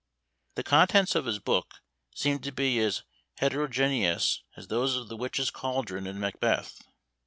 The contents of his book seemed to be as heterogeneous as those of the witches' cauldron in Macbeth.